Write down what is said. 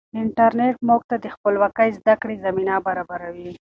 انټرنیټ موږ ته د خپلواکې زده کړې زمینه برابروي.